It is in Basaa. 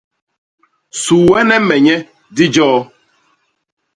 Suuene me nye, di joo.